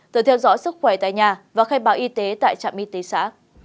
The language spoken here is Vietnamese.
từ theo dõi sức khỏe tại nhà và khai báo y tế tại trạm y tế xã